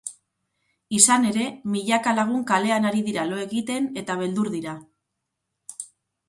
Izan ere, milaka lagun kalean ari dira lo egiten eta beldur dira.